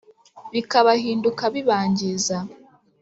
bikabahinduka bibangiza